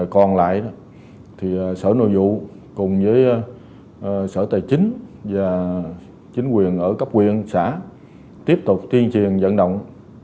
còn lại sở nội vụ cùng với sở tài chính và chính quyền ở cấp quyền xã tiếp tục tiên truyền dẫn động